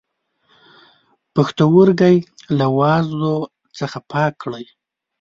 پښتورګی له وازدو څخه پاک کړئ.